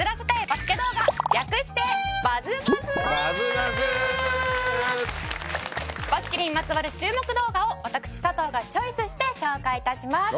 バスケにまつわる注目動画を私佐藤がチョイスして紹介致します。